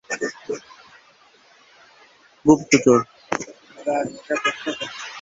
এজন্য পর্দার আড়ালে একজন শব্দ কৌশলী বা ধ্বনি কৌশলী কাজ করেন।